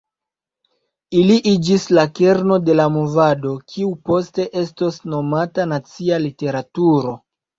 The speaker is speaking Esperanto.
Ili iĝis la kerno de movado kiu poste estos nomata nacia literaturo.